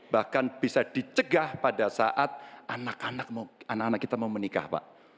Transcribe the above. bahkan bisa dicegah pada saat anak anak kita mau menikah pak